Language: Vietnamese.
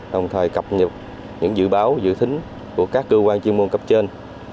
đồng thời cập nhật những dự báo dự thính của các cơ quan chuyên môn cấp trên